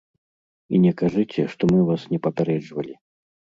І не кажыце, што мы вас не папярэджвалі.